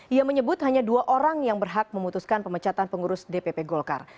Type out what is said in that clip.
ia menyebut hanya dua orang yang berhak memutuskan pemecatan pengurus dpp golkar